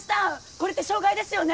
これって傷害ですよね？